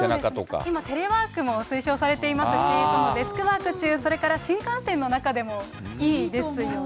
今、テレワークも推奨されてますし、それから、デスクワーク中、それから新幹線の中でもいいですよね。